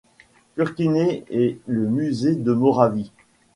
Purkyně et le musée de Moravie.